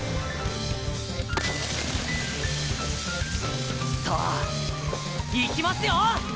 シューさあいきますよ！